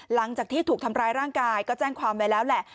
หลังจากที่ถูกทำร้ายร่างกายก็แจ้งความไว้แล้วแหละ